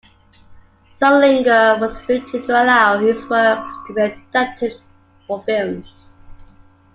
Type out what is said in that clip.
Salinger was reluctant to allow his works to be adapted for film.